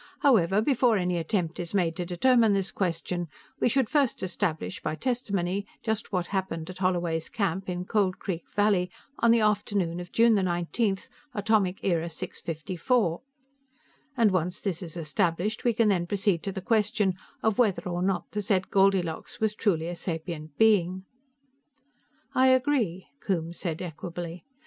"However, before any attempt is made to determine this question, we should first establish, by testimony, just what happened at Holloway's Camp, in Cold Creek Valley, on the afternoon of June 19, Atomic Era Six Fifty Four, and once this is established, we can then proceed to the question of whether or not the said Goldilocks was truly a sapient being." "I agree," Coombes said equably.